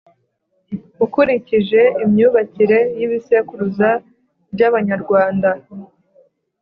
Ukurikije imyubakire yibisekuruza byAbanyarwanda